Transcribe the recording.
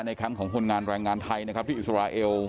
แคมป์ของคนงานแรงงานไทยนะครับที่อิสราเอล